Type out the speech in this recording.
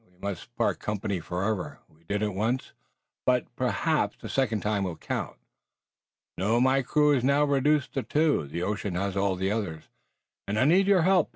We must part company forever. We did it once, but perhaps the second time will count." "No, my crew is now reduced to two the ocean has all the others and I need your help.